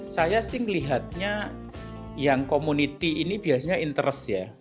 saya sih melihatnya yang community ini biasanya interest ya